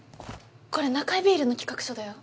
これナカイビールの企画書だよ。